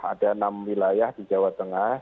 ada enam wilayah di jawa tengah